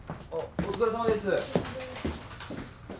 お疲れさまです。